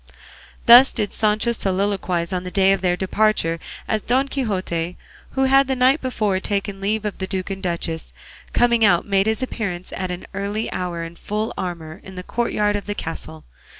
'" Thus did Sancho soliloquise on the day of their departure, as Don Quixote, who had the night before taken leave of the duke and duchess, coming out made his appearance at an early hour in full armour in the courtyard of the castle.